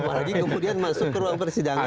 apalagi kemudian masuk ke ruang persidangan